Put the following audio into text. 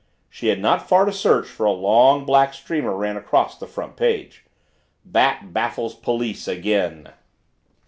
She had not far to search for a long black streamer ran across the front page "Bat Baffles Police Again."